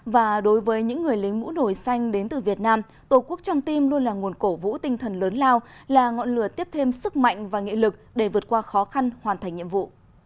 và đối với những người lính mũ nổi xanh đến từ việt nam tổ quốc trong tim luôn là nguồn cổ vũ tinh thần lớn lao là ngọn lửa tiếp thêm sức mạnh và nghị lực để vượt qua khó khăn hoàn thành nhiệm vụ